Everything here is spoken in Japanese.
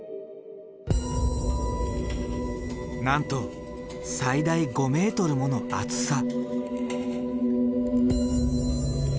なんと最大５ｍもの厚さ。